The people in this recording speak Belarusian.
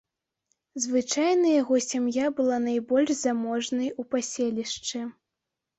Звычайна яго сям'я была найбольш заможнай у паселішчы.